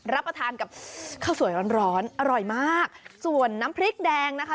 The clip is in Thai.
รับประทานกับข้าวสวยร้อนร้อนอร่อยมากส่วนน้ำพริกแดงนะคะ